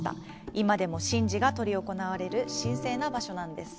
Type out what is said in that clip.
今でも神事が執り行われる神聖な場所なんです。